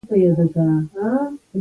ډرامه باید د زړه خبرې وکړي